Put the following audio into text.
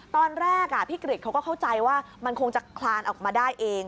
ตอนแรกพี่กริจเขาก็เข้าใจว่ามันคงจะคลานออกมาได้เอง